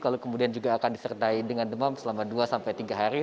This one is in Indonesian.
lalu kemudian juga akan disertai dengan demam selama dua sampai tiga hari